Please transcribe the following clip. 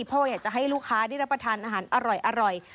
เพราะว่าอยากจะให้ลูกค้าได้รับประทานอาหารอร่อย